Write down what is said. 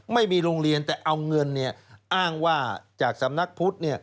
ไม่มีโรงเรียนแต่เอาเงินอ้างว่าจากสำนักพุทธ